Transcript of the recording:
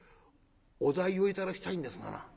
お代を頂きたいんですがな」。